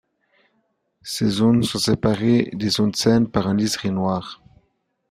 Ces zones sont séparées des zones saines par un liseré noir.